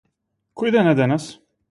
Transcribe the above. Кој ден е денес?